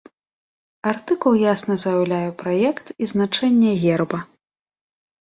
Артыкул ясна заяўляе праект і значэнне герба.